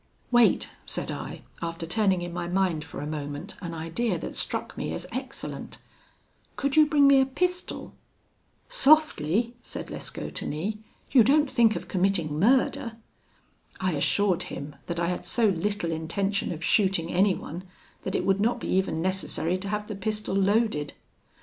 "'Wait,' said I, after turning in my mind for a moment an idea that struck me as excellent; 'could you bring me a pistol?' 'Softly,' said Lescaut to me, 'you don't think of committing murder?' I assured him that I had so little intention of shooting anyone, that it would not be even necessary to have the pistol loaded.